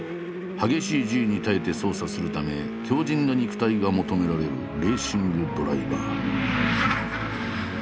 激しいＧに耐えて操作するため強じんな肉体が求められるレーシングドライバー。